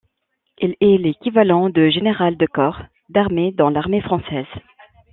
Il est l'équivalent de général de corps d'armée dans l'Armée française.